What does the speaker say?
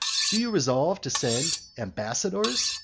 Do you resolve to send ambassadors?